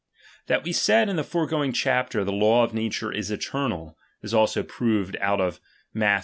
That we said in the foregoing chapter, the i_ law of nature is eternal, is also proved out of Matth.